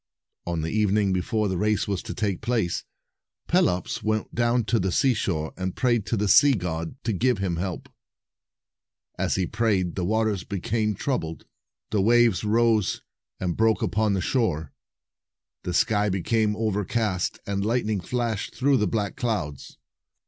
On the evening before the race was to take place, Pelops went down to the seashore, and prayed to the sea god to give him help. As he prayed, the waters became troubled; the waves 262 % 263 rose and broke upon the shore ; the sky became overcast, and lightning flashed through the black clouds.